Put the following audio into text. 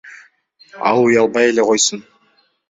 Ал уялбай эле койсун.